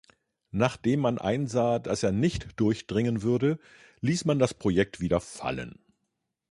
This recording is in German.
Nachdem man einsah, dass er nicht durchdringen würde, ließ man das Projekt wieder fallen.